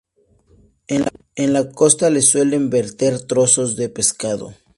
En la costa le suelen verter trozos de pescado.